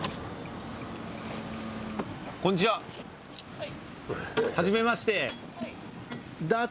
はい。